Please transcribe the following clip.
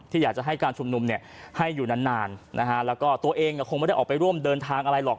อยากจะให้การชุมนุมเนี่ยให้อยู่นานนานนะฮะแล้วก็ตัวเองก็คงไม่ได้ออกไปร่วมเดินทางอะไรหรอก